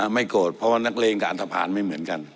ไม่โกรธเพราะว่านักเรียนกับอันทภาพไม่เหมือนกัน